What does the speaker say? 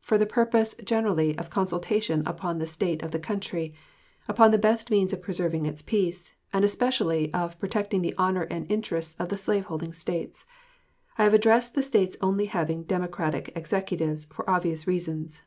for the purpose generally of consultation upon the state of the country, upon the best means of preserving its peace, and especially of protecting the honor and interests of the slave holding States. I have addressed the States only having Democratic Executives, for obvious reasons.